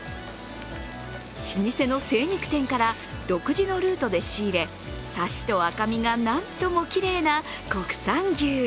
老舗の精肉店から独自のルートで仕入れ、サシと赤身がなんともきれいな国産牛。